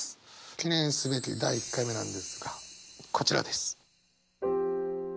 記念すべき第１回目なんですがこちらです。